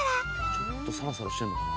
ちょっとサラサラしてるのかな？